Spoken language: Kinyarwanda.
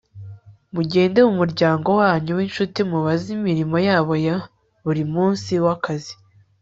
mugende mu muryango wanyu w'inshuti mubaze imirimo yabo ya buri munsi w'akazi